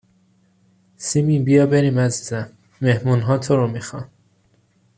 سیمین بیا بریم عزیزم مهمون ها تو رو میخوان